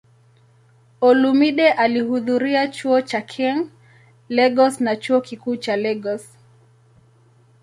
Olumide alihudhuria Chuo cha King, Lagos na Chuo Kikuu cha Lagos.